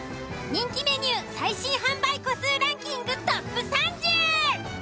人気メニュー最新販売個数ランキング